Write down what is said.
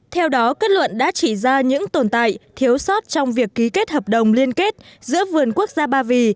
theo đó kết luận đã chỉ ra những tồn tại thiếu sót trong việc ký kết hợp đồng liên kết giữa vườn quốc gia ba vì